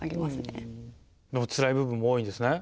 でもつらい部分も多いんですね？